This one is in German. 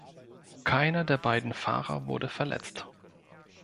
Keiner der beiden Fahrer wurde verletzt.